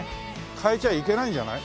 変えちゃいけないんじゃない？